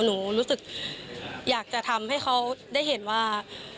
รู้สึกอยากจะทำให้เขาได้เห็นว่า